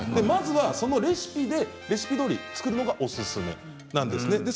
まずはそのレシピでレシピどおりに作るのがおすすめなんですね。